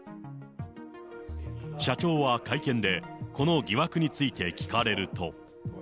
社長は会見で、この疑惑について聞かれると。